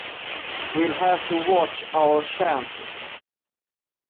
We'll have to watch our chances.